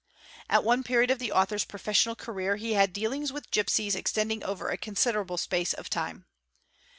At one period of the uthor's professional career he had dealings with gipsies extending over a onsiderable space of time.